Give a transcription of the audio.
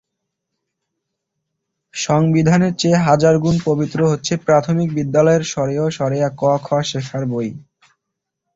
সংবিধানের চেয়ে হাজার গুণ পবিত্র হচ্ছে প্রাথমিক বিদ্যালয়ের অ-আ-ক-খ শেখার বই।